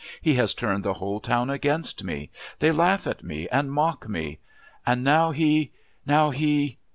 He has turned the whole town against me; they laugh at me and mock me! And now he...now he..."